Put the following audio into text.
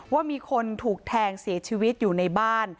ว่ามีคนถูกแทงเสียชีวิตอยู่ในบ้าน